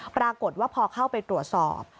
ปรากฏว่าพอเข้าไปตรวจสอบ